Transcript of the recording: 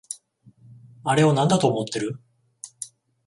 あれをなんだと思ってる？